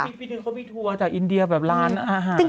พี่ปีนึงเค้ามีทัวร์อยู่อินเดียแบบร้านอาหาร